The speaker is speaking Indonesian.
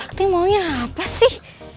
sakti maunya apa sih